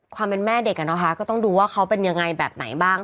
ความเป็นแม่เด็กอ่ะนะคะก็ต้องดูว่าเขาเป็นยังไงแบบไหนบ้าง